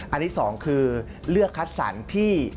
อันนี้๒คือเลือกคัดสรรที่